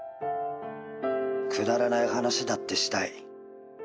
「くだらない話だってしたい」